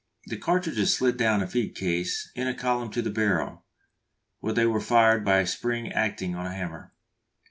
The cartridges slid down a feed case in a column to the barrel, where they were fired by a spring acting on a hammer.